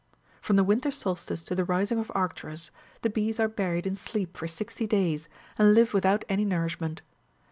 From the winter solstice to the rising of Arcturus the bees are buried in sleep for sixty days, and live without any nourish ment.